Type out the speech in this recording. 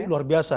jadi luar biasa